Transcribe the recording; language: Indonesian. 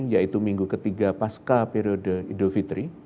yaitu minggu ketiga pasca periode idofitri